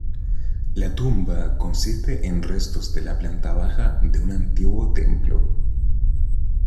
La tumba consiste en restos de la planta baja de un antiguo templo.